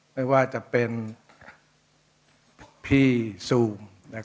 ไม่ว่าจะเป็นพี่ซูม